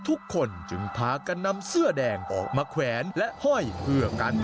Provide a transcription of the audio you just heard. ทุกคนจึงพากันนำเสื้อแดงออกมาแขวนและห้อยเพื่อกัน